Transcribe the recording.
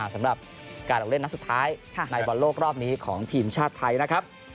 สำหรับการออกเล่นนัดสุดท้ายในบอลโลกรอบนี้ของทีมชาติไทยนะครับ